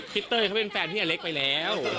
เต้ยเขาเป็นแฟนพี่อเล็กไปแล้ว